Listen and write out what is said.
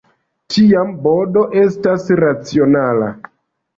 Tiam, "b-d" estas racionala.